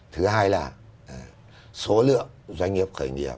thứ hai là số lượng doanh nghiệp khởi nghiệp